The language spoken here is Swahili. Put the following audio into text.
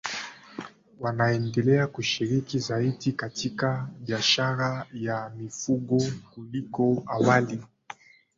wanaendelea kushiriki zaidi katika biashara ya mifugo kuliko awali